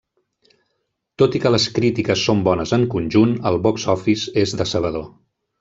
Tot i que les crítiques són bones en conjunt, el box-office és decebedor.